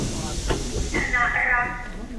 ธนรักษ์